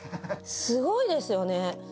すごいですよね。